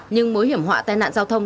nhưng mối hiểm họa tai nạn giao thông